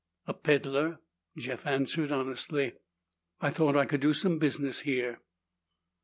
"A peddler," Jeff answered honestly. "I thought I could do some business here."